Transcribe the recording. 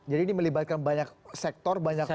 jadi ini melibatkan banyak sektor banyak faktor